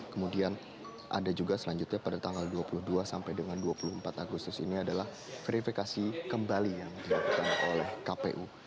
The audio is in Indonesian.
kemudian ada juga selanjutnya pada tanggal dua puluh dua sampai dengan dua puluh empat agustus ini adalah verifikasi kembali yang dilakukan oleh kpu